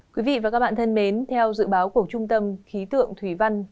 quý vị và các bạn thân mến theo dự báo của trung tâm khí tượng thủy văn